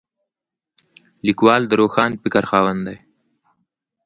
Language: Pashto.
لیکوال د روښان فکر خاوند وي.